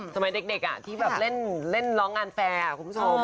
สมัยเด็กที่แบบเล่นร้องงานแฟร์คุณผู้ชม